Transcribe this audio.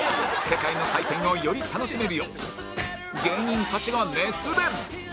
世界の祭典をより楽しめるよう芸人たちが熱弁！